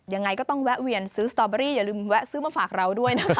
ยังไงก็ต้องแวะเวียนซื้อสตอเบอรี่อย่าลืมแวะซื้อมาฝากเราด้วยนะคะ